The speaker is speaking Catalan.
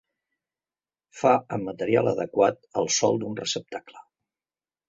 Fa amb material adequat el sòl d'un receptacle.